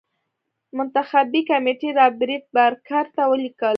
منتخبي کمېټې رابرټ بارکر ته ولیکل.